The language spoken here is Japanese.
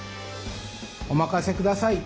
おまかせください